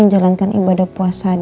ntar g mir nam